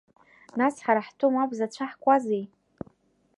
Нас ҳара ҳтәы мап зацәаҳкуазеи?!